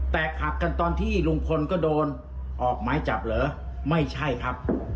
แต่ขับกันตอนที่ลุงพลก็โดนออกหมายจับเหรอไม่ใช่ครับ